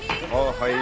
はい。